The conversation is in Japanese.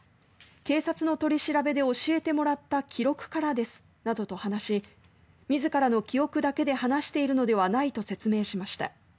警察の取り調べで教えてもらった記録からですなどと話し自らの記憶だけで話しているのではないと説明しました。